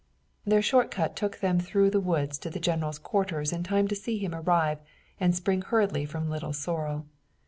Their short cut took them through the woods to the general's quarters in time to see him arrive and spring hurriedly from Little Sorrel.